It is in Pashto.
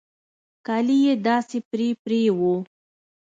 کالي يې داسې پرې پرې وو.